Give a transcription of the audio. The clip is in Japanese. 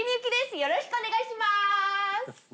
よろしくお願いします！